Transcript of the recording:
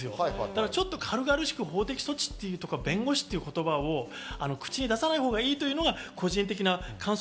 ちょっと軽々しく法的措置と言うのは弁護士という言葉を口に出さないほうがいいというのが個人的な感想。